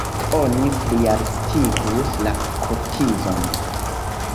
Oni plialtigus la kotizon.